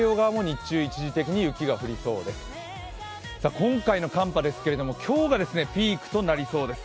今回の寒波ですけれども、今日がピークとなりそうです。